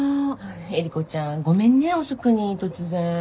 エリコちゃんごめんね遅くに突然。